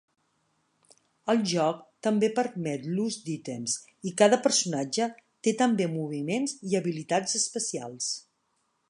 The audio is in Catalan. El joc també permet l'ús d'ítems, i cada personatge té també moviments i habilitats especials.